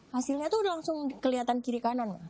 hasilnya tuh udah langsung kelihatan kiri kanan